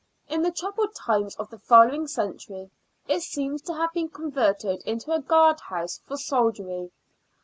In the troubled times of the following century it seems to have been converted into a guard house for soldiery.